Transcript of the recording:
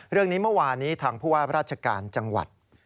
เรื่องนี้เมื่อวานี้ทางผู้ว่าราชการจังหวัด